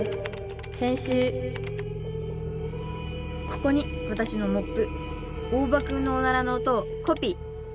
ここにわたしのモップ大場くんのおならの音をコピー。